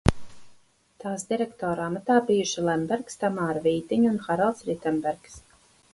Tās direktora amatā bijuši Lembergs, Tamāra Vītiņa un Haralds Ritenbergs.